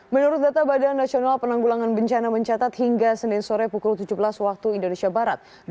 menurut data badan nasional penanggulangan bencana mencatat hingga senin sore pukul tujuh belas waktu indonesia barat